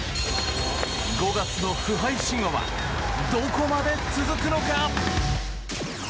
５月の不敗神話はどこまで続くのか。